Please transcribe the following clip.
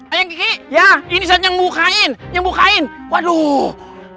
ayang kiki ya ini saatnya bukain bukain waduh